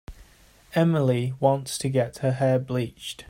Emily wants to get her hair bleached.